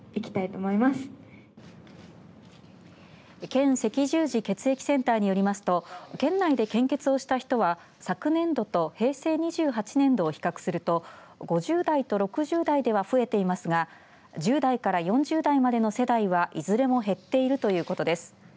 県赤十字血液センターによりますと県内で献血をした人は昨年度と平成２８年度を比較すると５０代と６０代では増えていますが１０代から４０代までの世代はいずれも減っているということです。